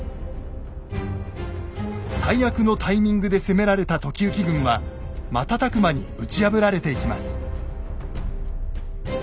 最悪のタイミングで攻められた時行軍は瞬く間に打ち破られていきます。